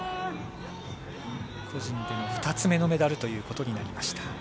個人での２つ目のメダルということになりました。